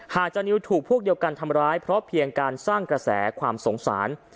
จานิวถูกพวกเดียวกันทำร้ายเพราะเพียงการสร้างกระแสความสงสาร